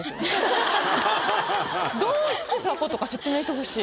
どういうことか説明してほしい。